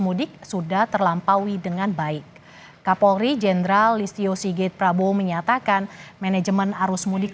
mudik sudah terlampaui dengan baik kapolri jenderal listio sigit prabowo menyatakan manajemen arus mudik